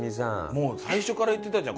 もう最初から言ってたじゃん。